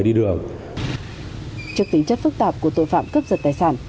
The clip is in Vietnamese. trước tính chất phức tạp của tội phạm cướp giật tài sản